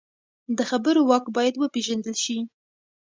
د خبرو واک باید وپېژندل شي